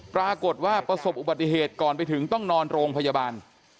ปรากฏว่าประสบอุบัติเหตุก่อนไปถึงต้องนอนโรงพยาบาล